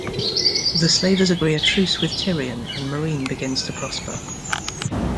The slavers agree a truce with Tyrion and Meereen begins to prosper.